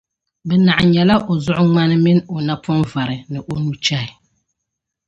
bɛ naɣ’ nyala o zuɣuŋmaŋ min’ o napɔnvari ni o nuchɛhi.